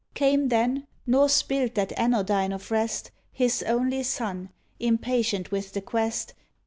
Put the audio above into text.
Came then, nor spilt that anodyne of rest. His only son, impatient with the quest.